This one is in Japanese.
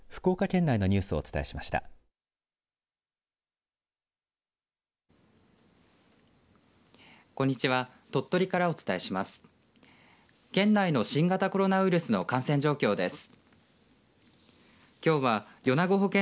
県内の新型コロナウイルスの感染状況です。